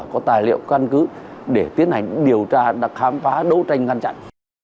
có tài liệu căn cứ để tiến hành điều tra khám phá đấu tranh ngăn chặn